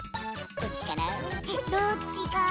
どっちかな？